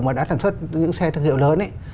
mà đã sản xuất những xe thương hiệu lớn